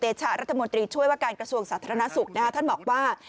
ชะรัฐมนตรีช่วยว่าการกระทรวงสาธารณสุขท่านบอกว่า